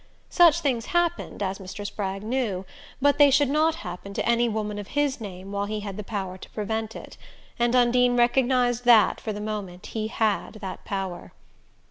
Such things happened, as Mr. Spragg knew, but they should not happen to any woman of his name while he had the power to prevent it; and Undine recognized that for the moment he had that power.